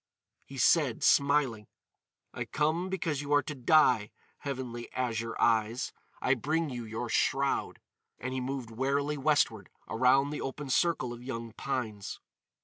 He said, smiling: "I come because you are to die, Heavenly Azure Eyes. I bring you your shroud." And he moved warily westward around the open circle of young pines.